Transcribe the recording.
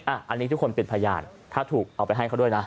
อันนี้ทุกคนเป็นพยานถ้าถูกเอาไปให้เขาด้วยนะ